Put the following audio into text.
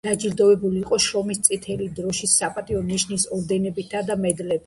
დაჯილდოვებული იყო შრომის წითელი დროშის „საპატიო ნიშნის“ ორდენებით და მედლებით.